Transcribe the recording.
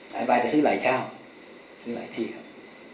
หลายบายแต่ซื้อหลายเจ้าซื้อหลายที่ครับ